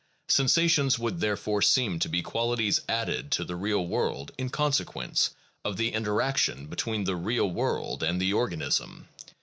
Sensations would therefore seem to be qualities added to the real world in consequence of the interaction between the real world and the organism.